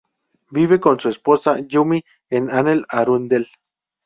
Vive con su esposa, Yumi en Anne Arundel.